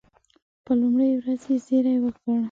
په لومړۍ ورځ یې زېری وکړ.